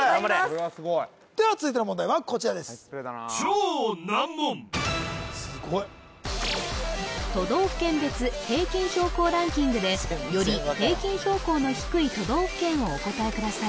これはすごいでは続いての問題はこちらですナイスプレーだなすごい都道府県別平均標高ランキングでより平均標高の低い都道府県をお答えください